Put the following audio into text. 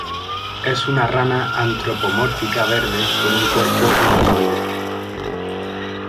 Es una rana antropomórfica verde con un cuerpo humanoide.